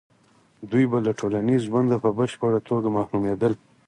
دوی به له ټولنیز ژونده په بشپړه توګه محرومېدل.